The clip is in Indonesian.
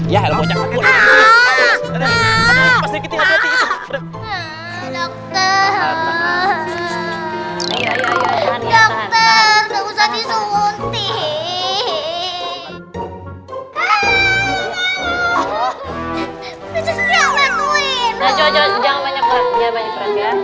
dokter usah disuntik